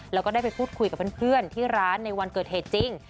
แล้วก็ได้ไปพูดคุยกับเพื่อนที่ร้านในวันเกิดเหตุจริง